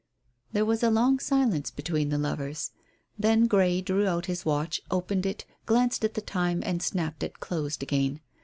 There was along silence between the lovers. Then Grey drew out his watch, opened it, glanced at the time, and snapped it closed again.